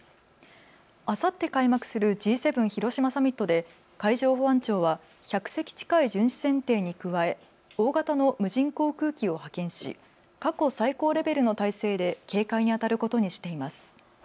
あさって開幕するＧ７広島サミットで海上保安庁は１００隻近い巡視船艇に加え大型の無人航空機を派遣し過去最高レベルの態勢で警戒にあたることにしています。